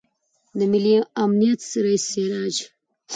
د ملي امنیت رئیس سراج